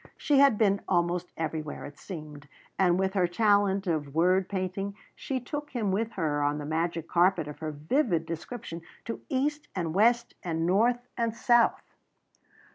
She had been almost everywhere, it seemed, and with her talent of word painting, she took him with her on the magic carpet of her vivid description to east and west and north and south.